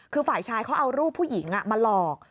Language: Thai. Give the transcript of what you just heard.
คือฝ่ายชายเขาเอารูปผู้หญิงมาหลอก